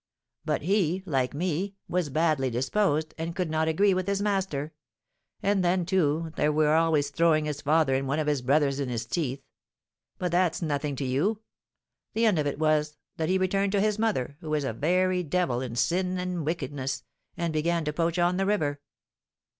But he, like me, was badly disposed, and could not agree with his master; and then, too, they were always throwing his father and one of his brothers in his teeth. But that's nothing to you. The end of it was, that he returned to his mother, who is a very devil in sin and wickedness, and began to poach on the river.